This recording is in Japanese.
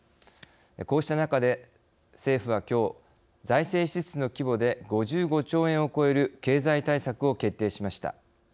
こうした中で政府は、きょう財政支出の規模で５５兆円を超える経済対策を決定しました。